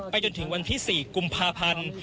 จนถึงวันที่๔กุมภาพันธ์